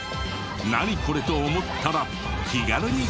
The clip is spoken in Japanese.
「ナニコレ？」と思ったら気軽にご投稿を。